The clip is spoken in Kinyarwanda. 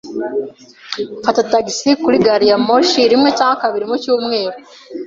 Mfata tagisi kuri gariyamoshi rimwe cyangwa kabiri mu cyumweru.